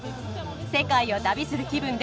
世界を旅する気分でさあ